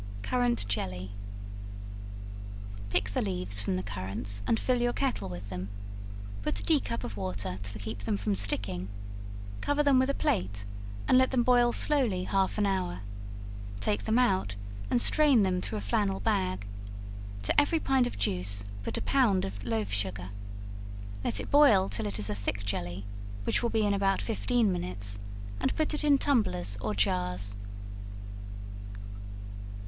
Currant Jelly. Pick the leaves from the currants and fill your kettle with them; put a tea cup of water to keep them from sticking; cover them with a plate and let them boil slowly half an hour; take them out, and strain them through a flannel bag; to every pint of juice put a pound of loaf sugar; let it boil till it is a thick jelly, which will be in about fifteen minutes, and put it in tumblers or jars.